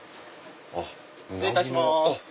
失礼いたします。